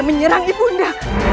dia menyerang ibu dia